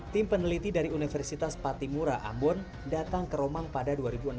tim peneliti dari universitas patimura ambon datang ke romang pada dua ribu enam belas